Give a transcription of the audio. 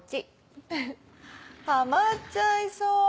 ウフハマっちゃいそう！